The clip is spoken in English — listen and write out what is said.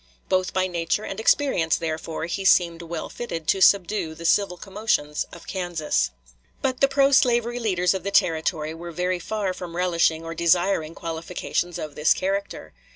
Both by nature and experience, therefore, he seemed well fitted to subdue the civil commotions of Kansas. Gihon, p. 131. But the pro slavery leaders of the Territory were very far from relishing or desiring qualifications of this character.